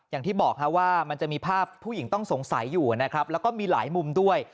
อย่างที่บอกว่ามันจะมีภาพผู้หญิงต้องสงสัยอยู่นะครับแล้วก็มีหลายมุมด้วย